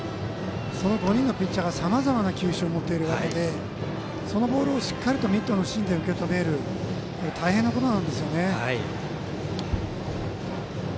その５人のピッチャーがさまざまな球種を持っているわけでそのボールをしっかりミットの芯で受け止めるのは大変なことなんですよね。